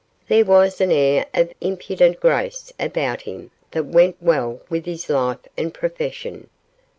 There was an air of impudent grace about him that went well with his life and profession.